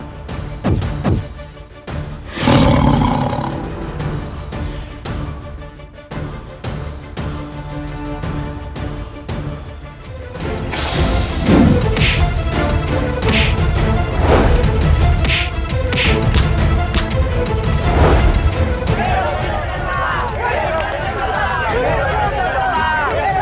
tidak ada di sini